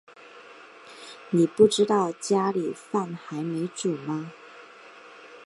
妳不知道家里饭还没煮吗